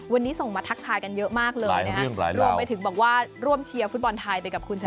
วันนี้ส่งมาทักทายกันเยอะมากเลยนะครับรวมไปถึงบอกว่าร่วมเชียร์ฟุตบอลไทยไปกับคุณชนะ